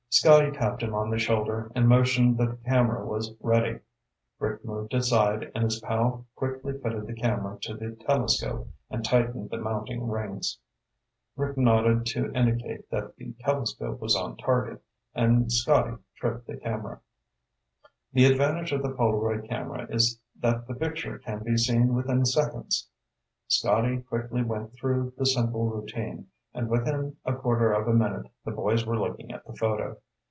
Scotty tapped him on the shoulder and motioned that the camera was ready. Rick moved aside and his pal quickly fitted the camera to the telescope and tightened the mounting rings. Rick nodded to indicate that the telescope was on target, and Scotty tripped the camera. The advantage of the Polaroid camera is that the picture can be seen within seconds. Scotty quickly went through the simple routine, and within a quarter of a minute the boys were looking at the photo.